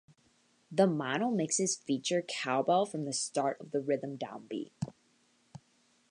The mono mixes feature cowbell from the start of the rhythm downbeat.